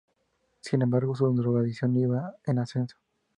Sin embargo, su drogadicción iba en ascenso.